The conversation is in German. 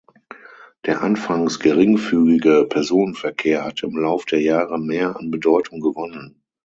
Der anfangs geringfügige Personenverkehr hatte im Lauf der Jahre mehr an Bedeutung gewonnen.